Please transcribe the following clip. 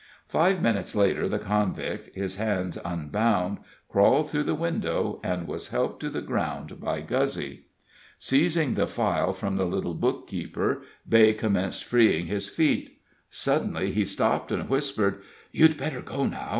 Five minutes later the convict, his hands unbound, crawled through the window, and was helped to the ground by Guzzy. Seizing the file from the little bookkeeper, Beigh commenced freeing his feet. Suddenly he stopped and whispered: "You'd better go now.